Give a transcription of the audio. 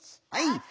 はい！